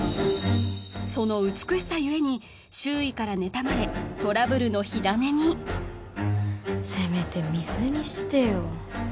その美しさゆえに周囲から妬まれトラブルの火種にせめて水にしてよ